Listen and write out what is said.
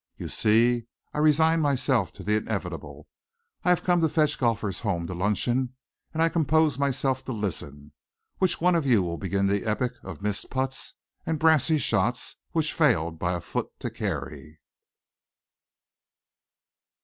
You see, I resign myself to the inevitable. I have come to fetch golfers home to luncheon, and I compose myself to listen. Which of you will begin the epic of missed putts and brassey shots which failed by a foot to carry?"